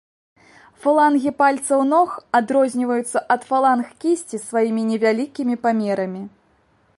Фалангі пальцаў ног адрозніваюцца ад фаланг кісці сваімі невялікімі памерамі.